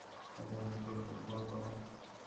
এগুলি তোমার! আমি তোমার সন্তান, আমাকে ক্ষমা কর।